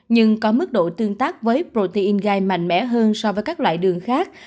nhưng có mức độ tương tác với protein gai mạnh mẽ hơn so với các loại đường khác